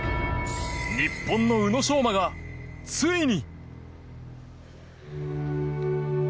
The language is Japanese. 日本の宇野昌磨がついに。